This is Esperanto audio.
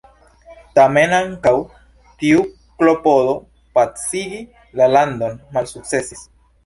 Tamen ankaŭ tiu klopodo pacigi la landon malsukcesis.